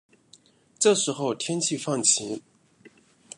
这时候天气放晴